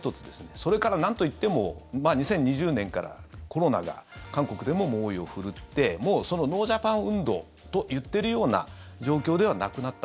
それから、なんといっても２０２０年からコロナが韓国でも猛威を振るってもうノージャパン運動と言ってるような状況ではなくなった。